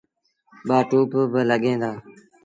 ٻآ ٽوُپ بالڳيٚن دآ۔